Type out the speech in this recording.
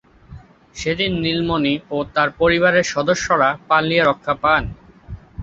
সেদিন নীলমণি ও তার পরিবারের সদস্যরা পালিয়ে রক্ষা পান।